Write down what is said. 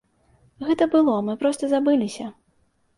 Гэта было, мы проста забыліся.